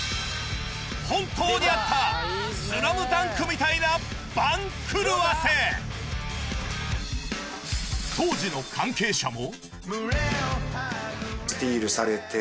本当にあった『ＳＬＡＭＤＵＮＫ』みたいな番狂わせ今でも。